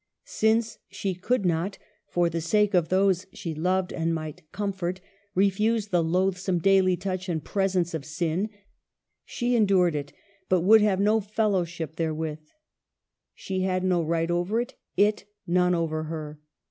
Since she could not (for the sake of those she loved and might comfort) refuse the loathsome daily touch and presence of sin, she endured it, but would have no fellowship there with. She had no right over it, it none over her.